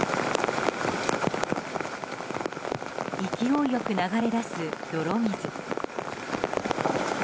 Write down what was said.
勢いよく流れだす泥水。